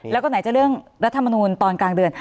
แล้วก็ไหนจะเรื่องรัฐมนูลตอนกลางเดือน